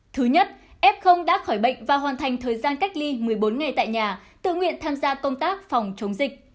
thứ nhất f đã khỏi bệnh và hoàn thành thời gian cách ly một mươi bốn ngày tại nhà tự nguyện tham gia công tác phòng chống dịch